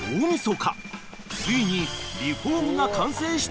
［ついに］